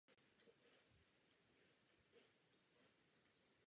Ve stejném roce vyrazili na své první vlastní turné po Polsku.